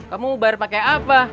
kamu mau bayar pakai apa